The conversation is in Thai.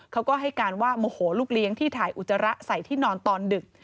เขาก็ให้การว่าโมโหลูกเลี้ยงที่ถ่ายอุจจาระใส่ที่นอนตอนดึก